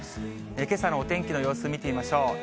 けさのお天気の様子、見てみましょう。